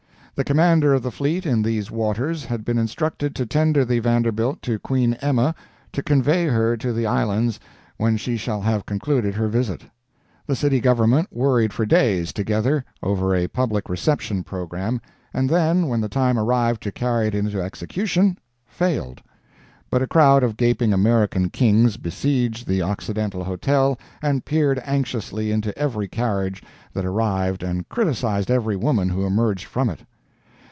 The commander of the fleet in these waters had been instructed to tender the Vanderbilt to Queen Emma to convey her to the Islands when she shall have concluded her visit. The City government worried for days together over a public reception programme, and then, when the time arrived to carry it into execution, failed. But a crowd of gaping American kings besieged the Occidental Hotel and peered anxiously into every carriage that arrived and criticised every woman who emerged from it.